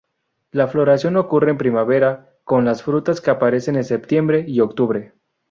La floración ocurre en primavera, con las frutas que aparecen en septiembre y octubre.